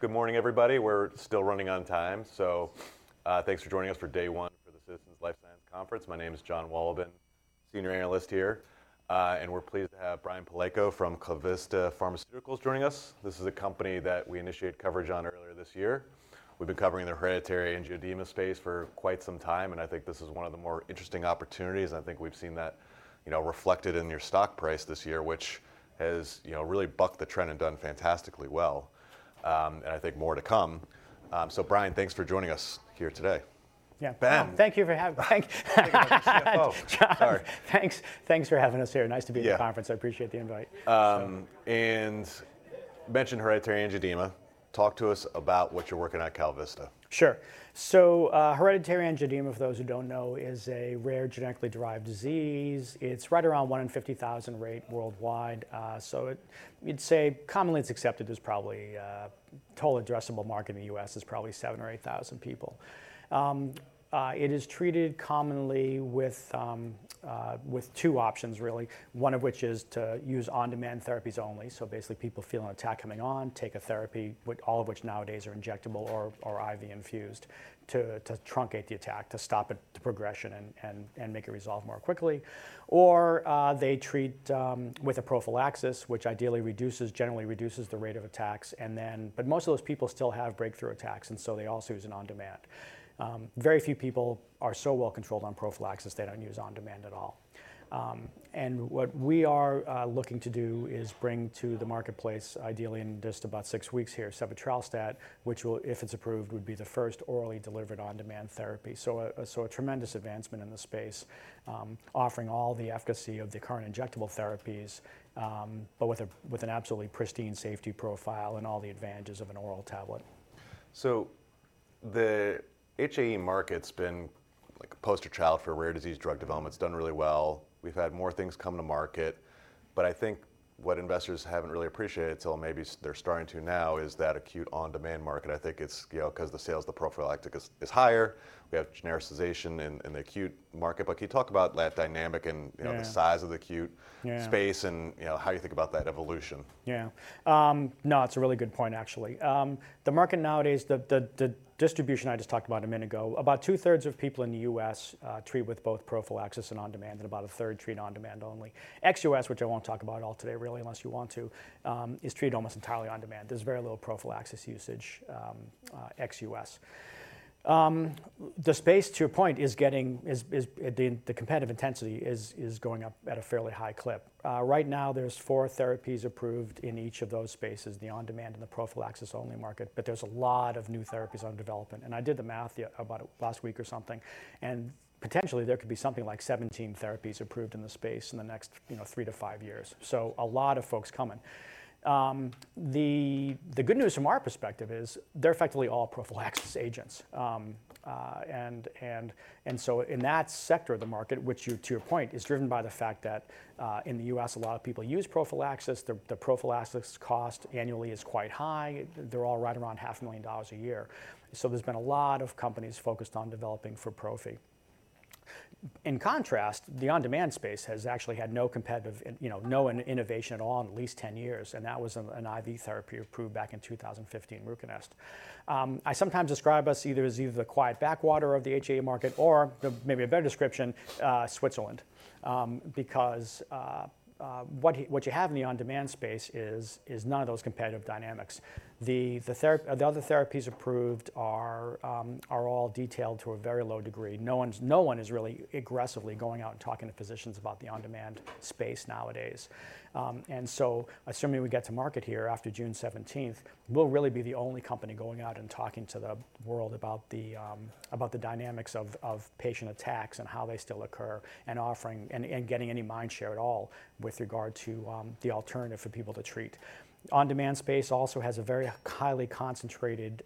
Good morning, everybody. We're still running on time, so thanks for joining us for day one for the Citizens Life Science Conference. My name is John Wallabin, Senior Analyst here, and we're pleased to have Brian Piekos from KalVista Pharmaceuticals joining us. This is a company that we initiated coverage on earlier this year. We've been covering the hereditary angioedema space for quite some time, and I think this is one of the more interesting opportunities. I think we've seen that reflected in your stock price this year, which has really bucked the trend and done fantastically well, and I think more to come. Brian, thanks for joining us here today. Yeah. Brian. Thank you for having me. Thanks for having us here. Nice to be at the conference. I appreciate the invite. Mention hereditary angioedema. Talk to us about what you're working on at KalVista. Sure. So hereditary angioedema, for those who don't know, is a rare genetically derived disease. It's right around 1 in 50,000 rate worldwide. You'd say commonly it's accepted as probably total addressable mark in the U.S. is probably 7,000 or 8,000 people. It is treated commonly with two options, really, one of which is to use on-demand therapies only. Basically, people feel an attack coming on, take a therapy, all of which nowadays are injectable or IV infused to truncate the attack, to stop the progression and make it resolve more quickly. They treat with a prophylaxis, which ideally generally reduces the rate of attacks. Most of those people still have breakthrough attacks, and so they also use it on demand. Very few people are so well controlled on prophylaxis, they don't use on demand at all. What we are looking to do is bring to the marketplace, ideally in just about six weeks here, sebetralstat, which, if it's approved, would be the first orally delivered on-demand therapy. A tremendous advancement in the space, offering all the efficacy of the current injectable therapies, but with an absolutely pristine safety profile and all the advantages of an oral tablet. The HAE market's been like a poster child for rare disease drug development. It's done really well. We've had more things come to market. I think what investors haven't really appreciated, until maybe they're starting to now, is that acute on-demand market. I think it's because the sales of the prophylactic is higher. We have genericization in the acute market. Can you talk about that dynamic and the size of the acute space and how you think about that evolution? Yeah. No, it's a really good point, actually. The market nowadays, the distribution I just talked about a minute ago, about two-thirds of people in the U.S. treat with both prophylaxis and on demand, and about a third treat on demand only. ex-U.S. which I won't talk about at all today, really, unless you want to, is treated almost entirely on demand. There's very little prophylaxis usage ex-U.S. The space, to your point, is getting the competitive intensity is going up at a fairly high clip. Right now, there's four therapies approved in each of those spaces, the on-demand and the prophylaxis-only market. There's a lot of new therapies under development. I did the math about it last week or something, and potentially there could be something like 17 therapies approved in the space in the next three to five years. A lot of folks coming. The good news from our perspective is they're effectively all prophylaxis agents. In that sector of the market, which to your point is driven by the fact that in the U.S. a lot of people use prophylaxis, the prophylaxis cost annually is quite high. They're all right around $500,000 a year. There's been a lot of companies focused on developing for prophy. In contrast, the on-demand space has actually had no innovation at all in at least 10 years. That was an IV therapy approved back in 2015, RUCONEST. I sometimes describe us as either the quiet backwater of the HAE market or maybe a better description, Switzerland, because what you have in the on-demand space is none of those competitive dynamics. The other therapies approved are all detailed to a very low degree. No one is really aggressively going out and talking to physicians about the on-demand space nowadays. Assuming we get to market here after June 17th, we'll really be the only company going out and talking to the world about the dynamics of patient attacks and how they still occur and getting any mind share at all with regard to the alternative for people to treat. The on-demand space also has a very highly concentrated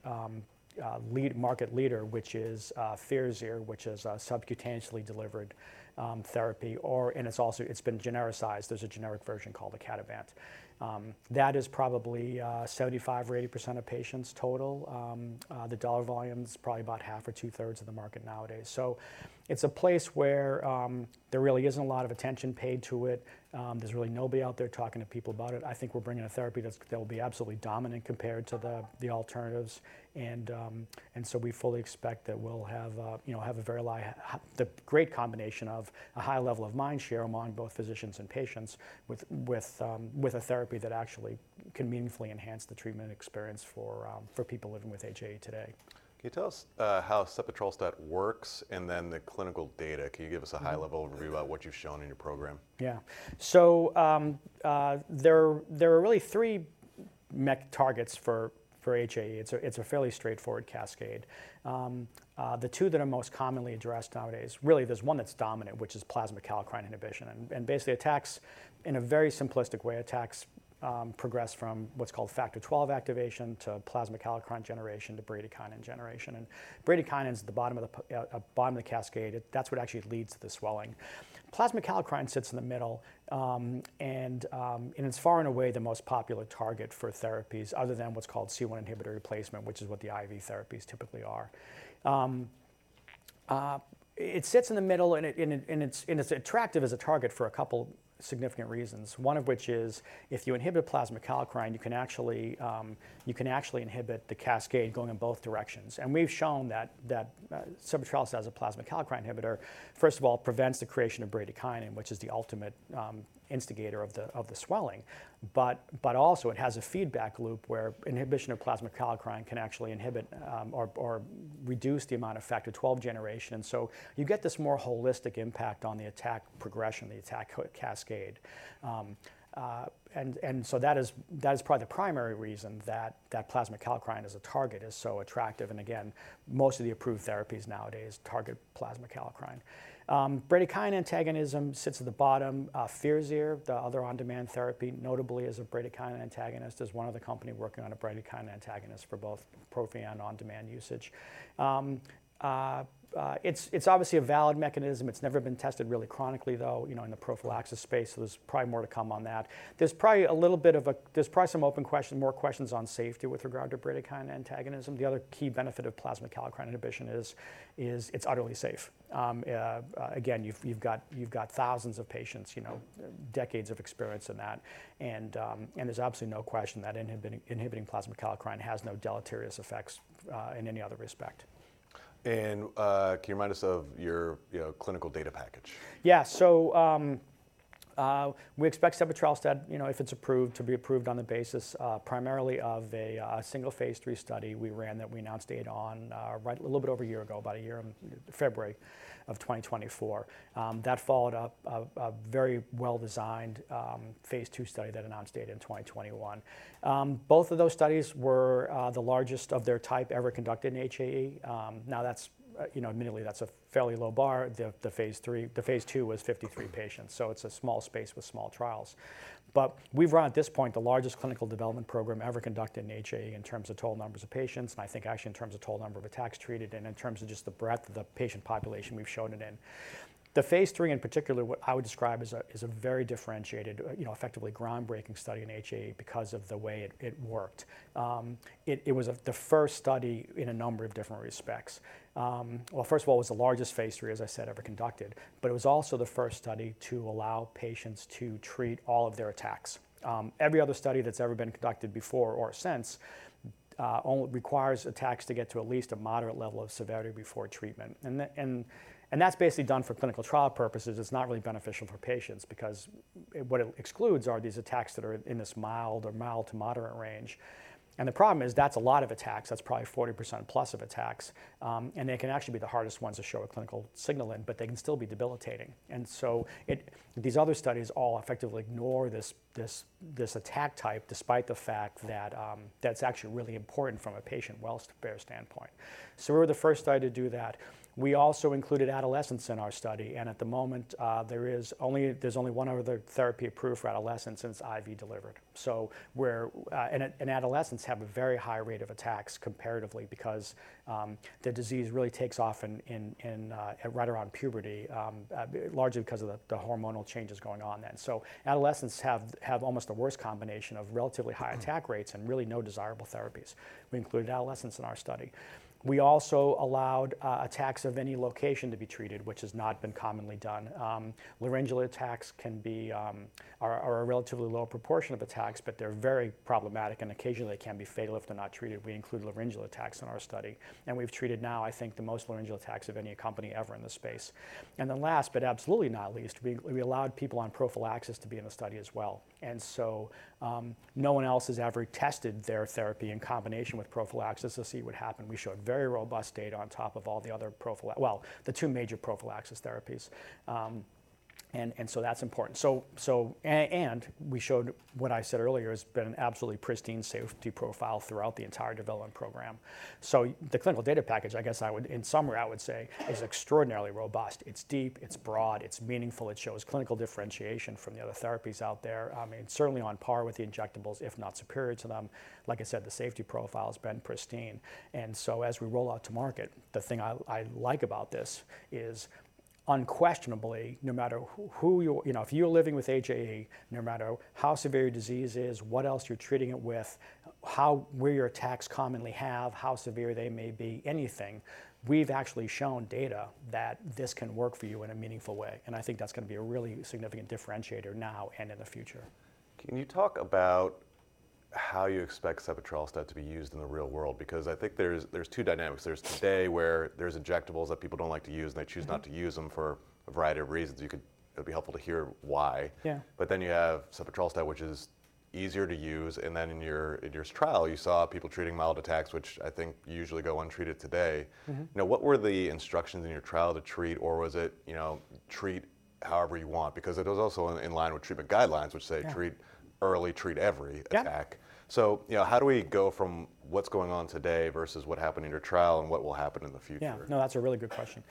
market leader, which is FIRAZYR, which is a subcutaneously delivered therapy. It has been genericized. There is a generic version called Icatibant. That is probably 75% or 80% of patients total. The dollar volume is probably about half or two-thirds of the market nowadays. It is a place where there really is not a lot of attention paid to it. There is really nobody out there talking to people about it. I think we're bringing a therapy that will be absolutely dominant compared to the alternatives. We fully expect that we'll have a very great combination of a high level of mind share among both physicians and patients with a therapy that actually can meaningfully enhance the treatment experience for people living with HAE today. Can you tell us how sebetralstat works and then the clinical data? Can you give us a high-level review about what you've shown in your program? Yeah. There are really three targets for HAE. It's a fairly straightforward cascade. The two that are most commonly addressed nowadays, really there's one that's dominant, which is plasma kallikrein inhibition. Basically, attacks in a very simplistic way progress from what's called factor XII activation to plasma kallikrein generation to bradykinin generation. Bradykinin is the bottom of the cascade. That's what actually leads to the swelling. Plasma kallikrein sits in the middle, and it's far and away the most popular target for therapies other than what's called C1 inhibitor replacement, which is what the IV therapies typically are. It sits in the middle, and it's attractive as a target for a couple of significant reasons, one of which is if you inhibit plasma kallikrein, you can actually inhibit the cascade going in both directions. We have shown that sebetralstat as a plasma kallikrein inhibitor, first of all, prevents the creation of bradykinin, which is the ultimate instigator of the swelling. It also has a feedback loop where inhibition of plasma kallikrein can actually inhibit or reduce the amount of factor XII generation. You get this more holistic impact on the attack progression, the attack cascade. That is probably the primary reason that plasma kallikrein as a target is so attractive. Most of the approved therapies nowadays target plasma kallikrein. Bradykinin antagonism sits at the bottom. FIRAZYR, the other on-demand therapy, notably is a bradykinin antagonist. There is one other company working on a bradykinin antagonist for both prophylaxis and on-demand usage. It is obviously a valid mechanism. It has never been tested really chronically, though, in the prophylaxis space. There is probably more to come on that. There's probably a little bit of a, there's probably some open questions, more questions on safety with regard to bradykinin antagonism. The other key benefit of plasma kallikrein inhibition is it's utterly safe. Again, you've got thousands of patients, decades of experience in that. And there's absolutely no question that inhibiting plasma kallikrein has no deleterious effects in any other respect. Can you remind us of your clinical data package? Yeah. We expect sebetralstat, if it's approved, to be approved on the basis primarily of a single phase III study we ran that we announced data on a little bit over a year ago, about a year in February of 2024. That followed up a very well-designed phase II study that announced data in 2021. Both of those studies were the largest of their type ever conducted in HAE. Now, admittedly, that's a fairly low bar. The phase II was 53 patients. It's a small space with small trials. We've run at this point the largest clinical development program ever conducted in HAE in terms of total numbers of patients, and I think actually in terms of total number of attacks treated and in terms of just the breadth of the patient population we've shown it in. The phase III in particular, what I would describe as a very differentiated, effectively groundbreaking study in HAE because of the way it worked. It was the first study in a number of different respects. First of all, it was the largest phase III, as I said, ever conducted. It was also the first study to allow patients to treat all of their attacks. Every other study that's ever been conducted before or since requires attacks to get to at least a moderate level of severity before treatment. That's basically done for clinical trial purposes. It's not really beneficial for patients because what it excludes are these attacks that are in this mild or mild to moderate range. The problem is that's a lot of attacks. That's probably 40%+ of attacks. They can actually be the hardest ones to show a clinical signal in, but they can still be debilitating. These other studies all effectively ignore this attack type despite the fact that that's actually really important from a patient's well-bear standpoint. We were the first study to do that. We also included adolescents in our study. At the moment, there's only one other therapy approved for adolescents and it's IV delivered. Adolescents have a very high rate of attacks comparatively because the disease really takes off right around puberty, largely because of the hormonal changes going on then. Adolescents have almost the worst combination of relatively high attack rates and really no desirable therapies. We included adolescents in our study. We also allowed attacks of any location to be treated, which has not been commonly done. Laryngeal attacks are a relatively low proportion of attacks, but they're very problematic. Occasionally, they can be fatal if they're not treated. We included laryngeal attacks in our study. We've treated now, I think, the most laryngeal attacks of any company ever in the space. Last, but absolutely not least, we allowed people on prophylaxis to be in the study as well. No one else has ever tested their therapy in combination with prophylaxis to see what happened. We showed very robust data on top of all the other prophylaxis, well, the two major prophylaxis therapies. That is important. We showed what I said earlier has been an absolutely pristine safety profile throughout the entire development program. The clinical data package, I guess in summary, I would say is extraordinarily robust. It's deep, it's broad, it's meaningful. It shows clinical differentiation from the other therapies out there. I mean, certainly on par with the injectables, if not superior to them. Like I said, the safety profile has been pristine. As we roll out to market, the thing I like about this is unquestionably, no matter who you are, if you're living with HAE, no matter how severe your disease is, what else you're treating it with, where your attacks commonly happen, how severe they may be, anything, we've actually shown data that this can work for you in a meaningful way. I think that's going to be a really significant differentiator now and in the future. Can you talk about how you expect sebetralstat to be used in the real world? Because I think there's two dynamics. There's today where there's injectables that people don't like to use, and they choose not to use them for a variety of reasons. It would be helpful to hear why. But then you have sebetralstat, which is easier to use. And then in your trial, you saw people treating mild attacks, which I think usually go untreated today. What were the instructions in your trial to treat, or was it treat however you want? Because it was also in line with treatment guidelines, which say treat early, treat every attack. So how do we go from what's going on today versus what happened in your trial and what will happen in the future? Yeah. No, that's a really good question.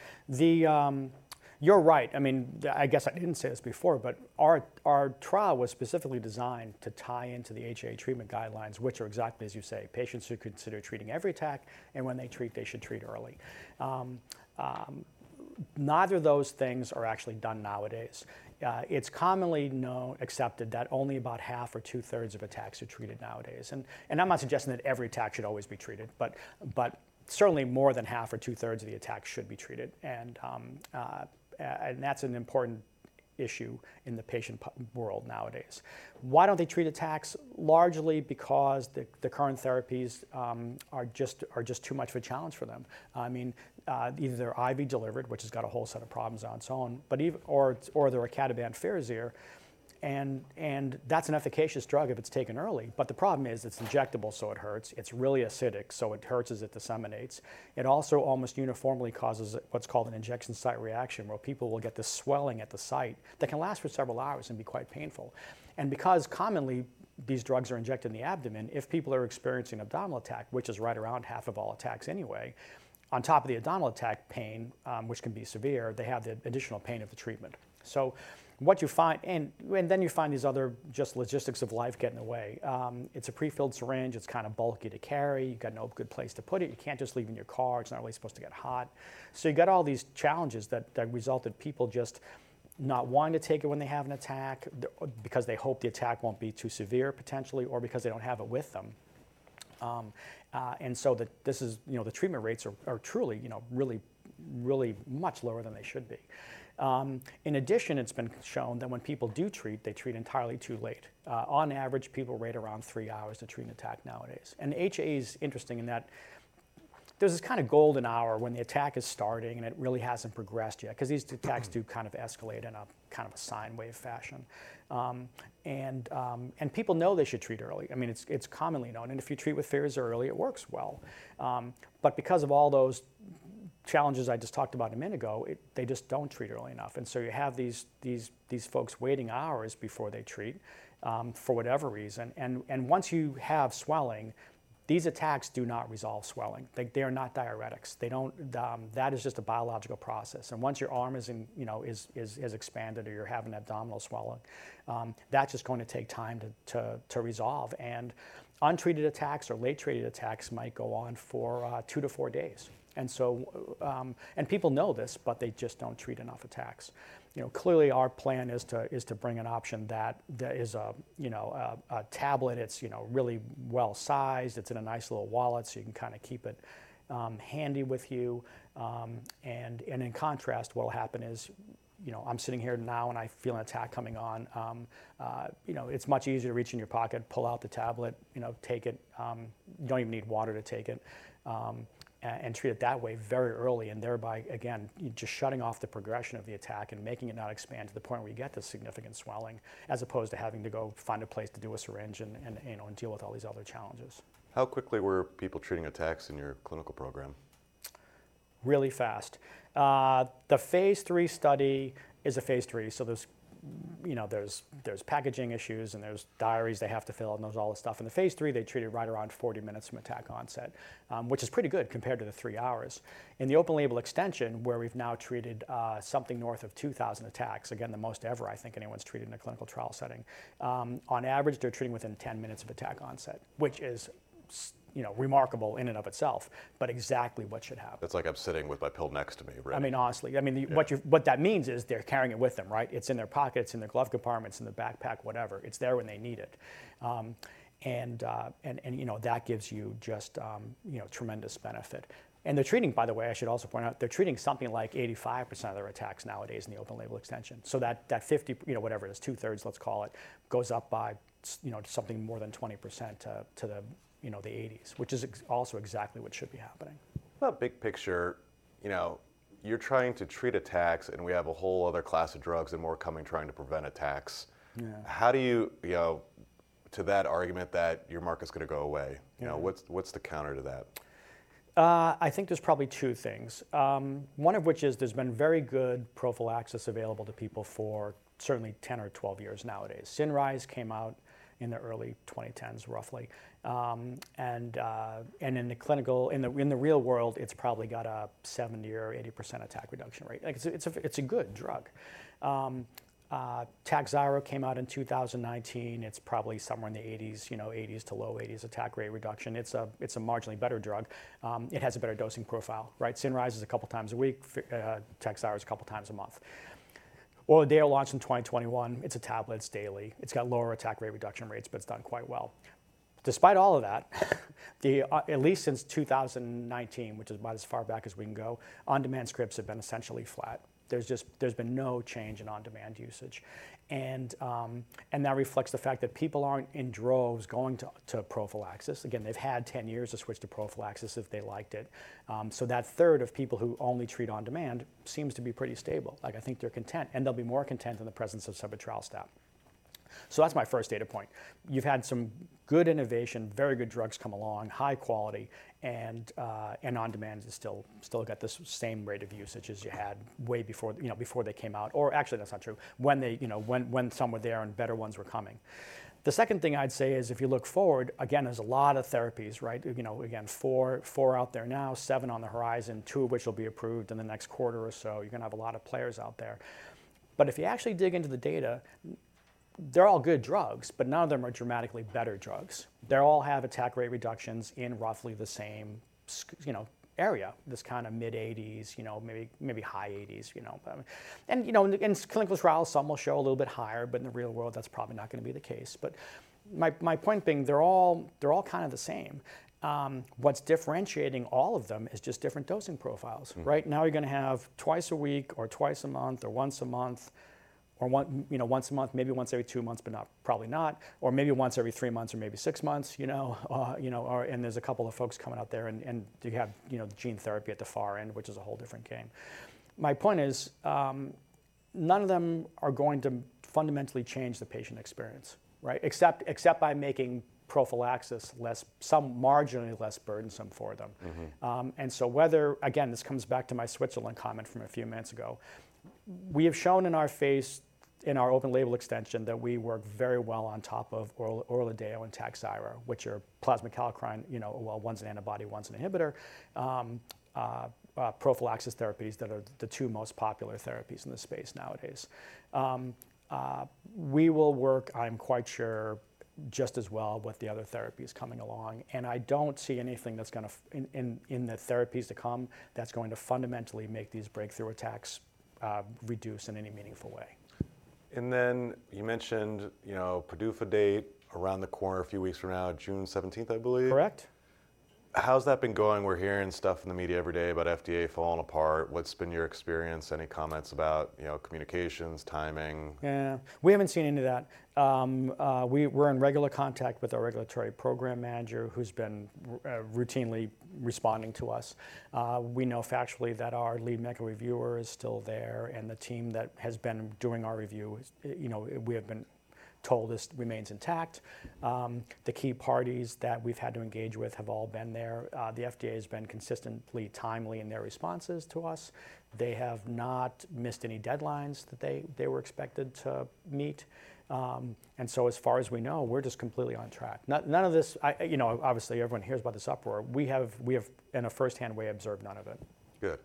You're right. I mean, I guess I didn't say this before, but our trial was specifically designed to tie into the HAE treatment guidelines, which are exactly as you say, patients who consider treating every attack, and when they treat, they should treat early. Neither of those things are actually done nowadays. It's commonly accepted that only about half or two-thirds of attacks are treated nowadays. I'm not suggesting that every attack should always be treated, but certainly more than half or two-thirds of the attacks should be treated. That's an important issue in the patient world nowadays. Why don't they treat attacks? Largely because the current therapies are just too much of a challenge for them. I mean, either they're IV delivered, which has got a whole set of problems on its own, or they're Icatibant FIRAZYR. That's an efficacious drug if it's taken early. The problem is it's injectable, so it hurts. It's really acidic, so it hurts as it disseminates. It also almost uniformly causes what's called an injection site reaction where people will get this swelling at the site that can last for several hours and be quite painful. Because commonly these drugs are injected in the abdomen, if people are experiencing abdominal attack, which is right around half of all attacks anyway, on top of the abdominal attack pain, which can be severe, they have the additional pain of the treatment. You find these other just logistics of life getting in the way. It's a prefilled syringe. It's kind of bulky to carry. You've got no good place to put it. You can't just leave it in your car. It's not really supposed to get hot. You've got all these challenges that resulted in people just not wanting to take it when they have an attack because they hope the attack won't be too severe potentially or because they don't have it with them. The treatment rates are truly really much lower than they should be. In addition, it's been shown that when people do treat, they treat entirely too late. On average, people wait around three hours to treat an attack nowadays. HAE is interesting in that there's this kind of golden hour when the attack is starting and it really hasn't progressed yet because these attacks do kind of escalate in a kind of a sine wave fashion. People know they should treat early. I mean, it's commonly known. If you treat with FIRAZYR early, it works well. Because of all those challenges I just talked about a minute ago, they just don't treat early enough. You have these folks waiting hours before they treat for whatever reason. Once you have swelling, these attacks do not resolve swelling. They are not diuretics. That is just a biological process. Once your arm is expanded or you're having abdominal swelling, that's just going to take time to resolve. Untreated attacks or late treated attacks might go on for two to four days. People know this, but they just don't treat enough attacks. Clearly, our plan is to bring an option that is a tablet. It's really well sized. It's in a nice little wallet so you can kind of keep it handy with you. In contrast, what will happen is I'm sitting here now and I feel an attack coming on. It's much easier to reach in your pocket, pull out the tablet, take it. You don't even need water to take it and treat it that way very early. You're just shutting off the progression of the attack and making it not expand to the point where you get this significant swelling as opposed to having to go find a place to do a syringe and deal with all these other challenges. How quickly were people treating attacks in your clinical program? Really fast. The phase III study is a phase III. So there's packaging issues and there's diaries they have to fill in and there's all this stuff. In the phase III, they treated right around 40 minutes from attack onset, which is pretty good compared to the three hours. In the open label extension, where we've now treated something north of 2,000 attacks, again, the most ever I think anyone's treated in a clinical trial setting, on average, they're treating within 10 minutes of attack onset, which is remarkable in and of itself, but exactly what should happen. That's like I'm sitting with my pill next to me, right? I mean, honestly. I mean, what that means is they're carrying it with them, right? It's in their pockets, in their glove compartments, in their backpack, whatever. It's there when they need it. That gives you just tremendous benefit. They're treating, by the way, I should also point out, they're treating something like 85% of their attacks nowadays in the open label extension. That 50%, whatever it is, two-thirds, let's call it, goes up by something more than 20% to the 80%s, which is also exactly what should be happening. Big picture, you're trying to treat attacks and we have a whole other class of drugs and more coming trying to prevent attacks. How do you to that argument that your mark is going to go away? What's the counter to that? I think there's probably two things, one of which is there's been very good prophylaxis available to people for certainly 10 or 12 years nowadays. CINRYZE came out in the early 2010s, roughly. And in the clinical, in the real world, it's probably got a 70% or 80% attack reduction rate. It's a good drug. TAKHZYRO came out in 2019. It's probably somewhere in the 80%-low 80% attack rate reduction. It's a marginally better drug. It has a better dosing profile, right? CINRYZE is a couple of times a week. TAKHZYRO is a couple of times a month. ORLADEYO launched in 2021. It's a tablet. It's daily. It's got lower attack rate reduction rates, but it's done quite well. Despite all of that, at least since 2019, which is about as far back as we can go, on-demand scripts have been essentially flat. There's been no change in on-demand usage. That reflects the fact that people aren't in droves going to prophylaxis. Again, they've had 10 years to switch to prophylaxis if they liked it. That third of people who only treat on-demand seems to be pretty stable. I think they're content. They'll be more content in the presence of sebetralstat. That's my first data point. You've had some good innovation, very good drugs come along, high quality, and on-demand still has the same rate of usage as you had way before they came out. Actually, that's not true. When some were there and better ones were coming. The second thing I'd say is if you look forward, again, there's a lot of therapies, right? Four out there now, seven on the horizon, two of which will be approved in the next quarter or so. You're going to have a lot of players out there. If you actually dig into the data, they're all good drugs, but none of them are dramatically better drugs. They all have attack rate reductions in roughly the same area, this kind of mid-80s, maybe high 80s. In clinical trials, some will show a little bit higher, but in the real world, that's probably not going to be the case. My point being, they're all kind of the same. What's differentiating all of them is just different dosing profiles, right? Now you're going to have twice a week or twice a month or once a month or once a month, maybe once every two months, but probably not, or maybe once every three months or maybe six months. There is a couple of folks coming out there and you have gene therapy at the far end, which is a whole different game. My point is none of them are going to fundamentally change the patient experience, right? Except by making prophylaxis some marginally less burdensome for them. Whether, again, this comes back to my Switzerland comment from a few minutes ago, we have shown in our phase, in our open label extension that we work very well on top of ORLADEYO and TAKHZYRO, which are plasma kallikrein, one's an antibody, one's an inhibitor, prophylaxis therapies that are the two most popular therapies in the space nowadays. We will work, I'm quite sure, just as well with the other therapies coming along. I don't see anything that's going to, in the therapies to come, that's going to fundamentally make these breakthrough attacks reduce in any meaningful way. You mentioned PDUFA date around the corner a few weeks from now, June 17th, I believe. Correct. How's that been going? We're hearing stuff in the media every day about FDA falling apart. What's been your experience? Any comments about communications, timing? Yeah. We haven't seen any of that. We're in regular contact with our regulatory program manager who's been routinely responding to us. We know factually that our lead medical reviewer is still there and the team that has been doing our review, we have been told, remains intact. The key parties that we've had to engage with have all been there. The FDA has been consistently timely in their responses to us. They have not missed any deadlines that they were expected to meet. As far as we know, we're just completely on track. None of this, obviously, everyone hears about this uproar. We have, in a firsthand way, observed none of it. Good.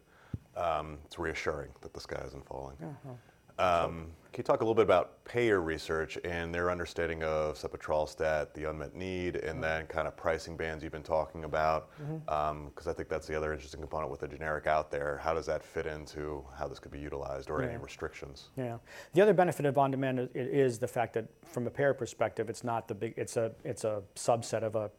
It's reassuring that the sky isn't falling. Can you talk a little bit about payer research and their understanding of sebetralstat, the unmet need, and then kind of pricing bands you've been talking about? Because I think that's the other interesting component with the generic out there. How does that fit into how this could be utilized or any restrictions? Yeah. The other benefit of on-demand is the fact that from a payer perspective, it's not the big, it's a subset of a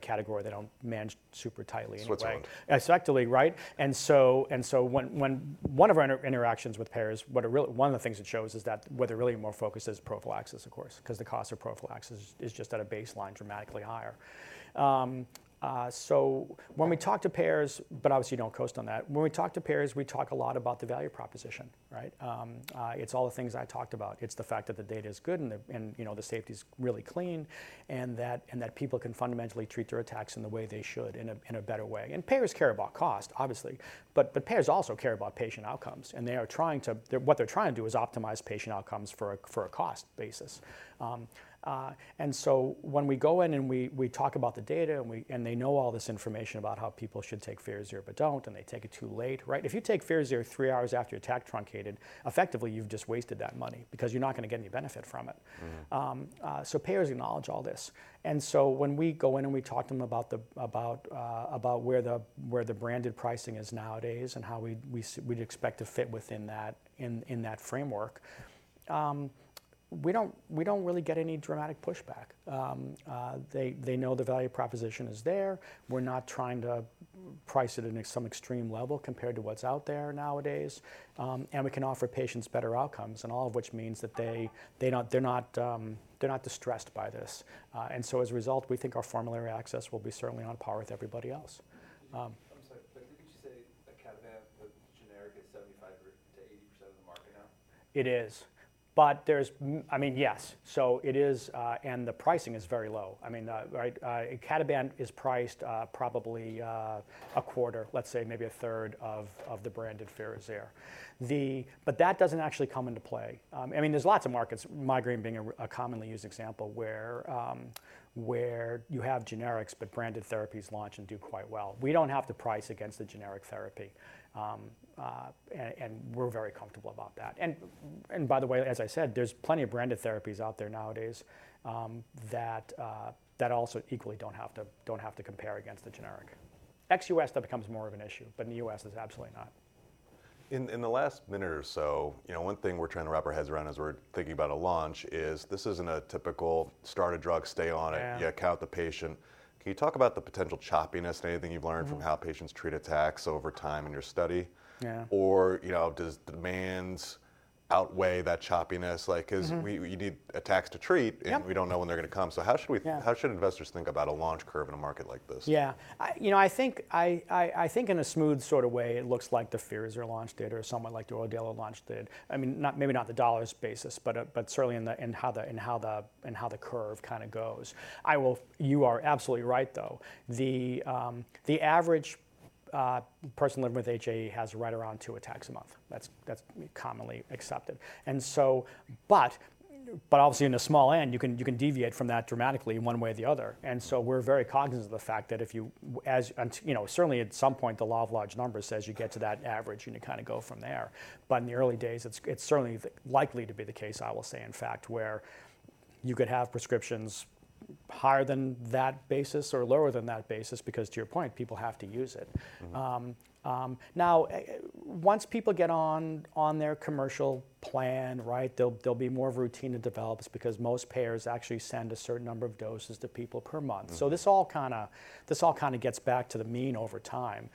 category they don't manage super tightly. Switzerland. Exactly, right? And so one of our interactions with payers, one of the things it shows is that what they're really more focused is prophylaxis, of course, because the cost of prophylaxis is just at a baseline dramatically higher. When we talk to payers, but obviously don't coast on that. When we talk to payers, we talk a lot about the value proposition, right? It's all the things I talked about. It's the fact that the data is good and the safety is really clean and that people can fundamentally treat their attacks in the way they should in a better way. Payers care about cost, obviously. Payers also care about patient outcomes. They are trying to what they're trying to do is optimize patient outcomes for a cost basis. When we go in and we talk about the data and they know all this information about how people should take FIRAZYR, but do not, and they take it too late, right? If you take FIRAZYR three hours after your attack is truncated, effectively you have just wasted that money because you are not going to get any benefit from it. Payers acknowledge all this. When we go in and we talk to them about where the branded pricing is nowadays and how we would expect to fit within that framework, we do not really get any dramatic pushback. They know the value proposition is there. We are not trying to price it at some extreme level compared to what is out there nowadays. We can offer patients better outcomes, and all of which means that they are not distressed by this. As a result, we think our formulary access will be certainly on par with everybody else. I'm sorry, but didn't you say sebetralstat, the generic, is 75%-80% of the market now? It is. There is, I mean, yes. It is, and the pricing is very low. I mean, Icatibant is priced probably a quarter, let's say maybe a third of the branded FIRAZYR. That does not actually come into play. I mean, there are lots of markets, migraine being a commonly used example, where you have generics, but branded therapies launch and do quite well. We do not have to price against the generic therapy. We are very comfortable about that. By the way, as I said, there are plenty of branded therapies out there nowadays that also equally do not have to compare against the generic. Ex-U.S. that becomes more of an issue, but in the U.S. it is absolutely not. In the last minute or so, one thing we're trying to wrap our heads around as we're thinking about a launch is this isn't a typical start a drug, stay on it, you account the patient. Can you talk about the potential choppiness and anything you've learned from how patients treat attacks over time in your study? Does demand outweigh that choppiness? You need attacks to treat and we don't know when they're going to come. How should investors think about a launch curve in a market like this? Yeah. You know, I think in a smooth sort of way, it looks like the FIRAZYR launch did or somewhat like the ORLADEYO launch did. I mean, maybe not the dollars basis, but certainly in how the curve kind of goes. You are absolutely right, though. The average person living with HAE has right around two attacks a month. That's commonly accepted. Obviously, in a small end, you can deviate from that dramatically in one way or the other. We are very cognizant of the fact that if you, certainly at some point, the law of large numbers says you get to that average and you kind of go from there. In the early days, it's certainly likely to be the case, I will say, in fact, where you could have prescriptions higher than that basis or lower than that basis because, to your point, people have to use it. Now, once people get on their commercial plan, right, they'll be more routine to develop because most payers actually send a certain number of doses to people per month. This all kind of gets back to the mean over time.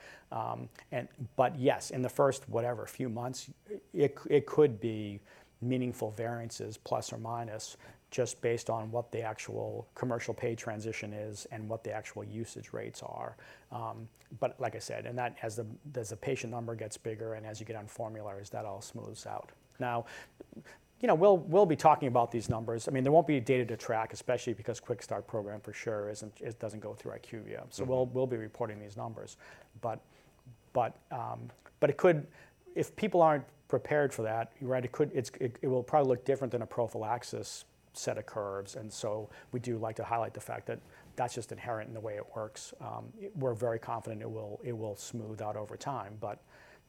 Yes, in the first, whatever, few months, it could be meaningful variances plus or minus just based on what the actual commercial pay transition is and what the actual usage rates are. Like I said, as the patient number gets bigger and as you get on formulary, that all smooths out. Now, we'll be talking about these numbers. I mean, there won't be data to track, especially because QuickStart program for sure doesn't go through IQVIA. So we'll be reporting these numbers. But if people aren't prepared for that, right, it will probably look different than a prophylaxis set of curves. And we do like to highlight the fact that that's just inherent in the way it works. We're very confident it will smooth out over time, but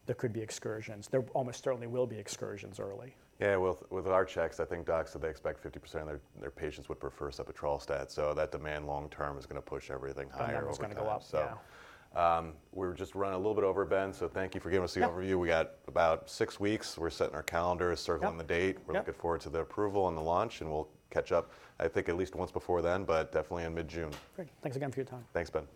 there could be excursions. There almost certainly will be excursions early. Yeah. With our checks, I think docs said they expect 50% of their patients would prefer sebetralstat. So that demand long term is going to push everything higher. Yeah, it's going to go up. We were just running a little bit over, Ben, so thank you for giving us the overview. We got about six weeks. We're setting our calendars, circling the date. We're looking forward to the approval and the launch, and we'll catch up, I think, at least once before then, but definitely in mid-June. Great. Thanks again for your time. Thanks, Brian.